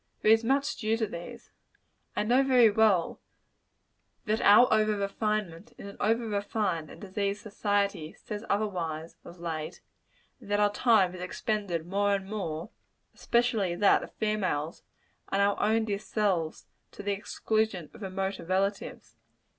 There is much due to these. I know, very well, that out over refinement, in an over refined and diseased society, says otherwise, of late; and that our time is expended more and more especially that of females on our own dear selves to the exclusion of remoter relatives.